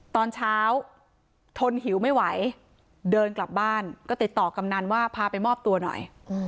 ตอนเช้าทนหิวไม่ไหวเดินกลับบ้านก็ติดต่อกำนันว่าพาไปมอบตัวหน่อย